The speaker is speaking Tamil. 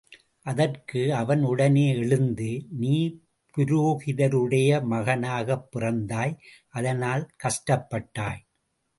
அதற்கு அவன் உடனே எழுந்து, நீ புரோகிதருடைய மகனாகப் பிறந்தாய் அதனால் கஷ்டப்பட்டாய்!